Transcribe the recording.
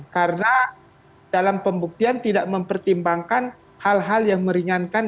karena dalam pembuktian tidak mempertimbangkan hal hal yang meringankan